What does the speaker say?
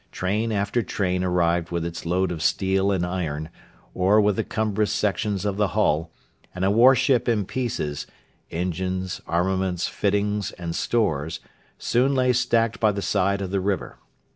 Train after train arrived with its load of steel and iron, or with the cumbrous sections of the hull, and a warship in pieces engines, armaments, fittings and stores soon lay stacked by the side of the river.